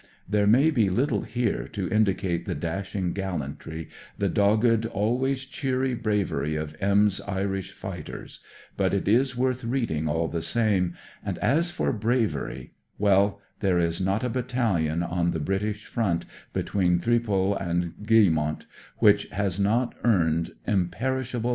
There may be little here to indi cate the dashing gallantry, the dogged, always cheery bravery of M 's Irish fighters; but it is worth reading, all the same, and as for bravery — w^'J, tl re is DESCRIBING INDESCRIBABLE 51 not a battalion on the British front, between Thitpval and < lillr ont, which has not earned rnif rishable